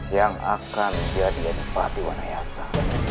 yang akan menjadi adik patiwan ayasa